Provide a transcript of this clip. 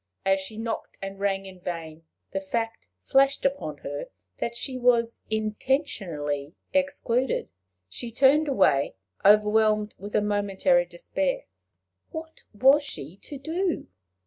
As she knocked and rang in vain, the fact flashed upon her that she was intentionally excluded. She turned away, overwhelmed with a momentary despair. What was she to do?